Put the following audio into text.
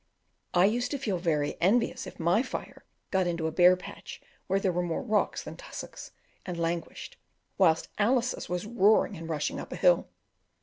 I used to feel very envious if my fire got into a bare patch, where there were more rocks than tussocks, and languished, whilst Alice's was roaring and rushing up a hill.